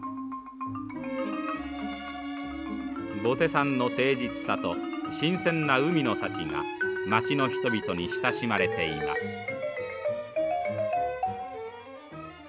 ボテさんの誠実さと新鮮な海の幸が町の人々に親しまれています。